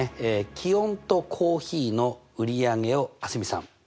気温とコーヒーの売り上げを蒼澄さん。